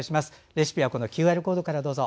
レシピはＱＲコードからどうぞ。